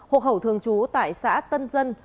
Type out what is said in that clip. hộ khẩu thường trú tại xã tân dân